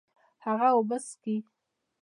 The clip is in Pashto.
هغه اوبه څښي